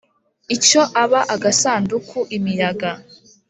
Icyo aba agasanduku imiyaga